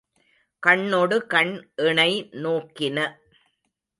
கண்னொடு கண் இணை நோக்கின.